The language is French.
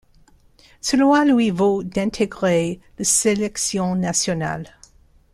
Cela lui vaut d'intégrer l'sélection nationale.